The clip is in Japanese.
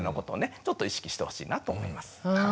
ちょっと意識してほしいなと思います。